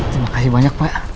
terima kasih banyak pak